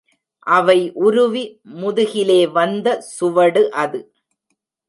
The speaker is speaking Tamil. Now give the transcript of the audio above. அவை உருவி முதுகிலே வந்த சுவடு அது.